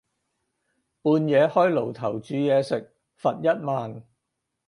半夜開爐頭煮嘢食，罰一萬